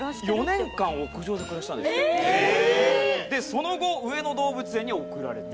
その後上野動物園に送られた。